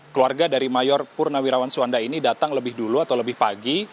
keluarga dari mayor purnawirawan suwanda ini datang lebih dulu atau lebih pagi